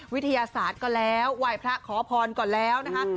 วิทยาศาสตร์ก็แล้วไหว้พระขอพรก่อนแล้วนะคะ